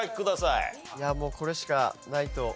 いやもうこれしかないと。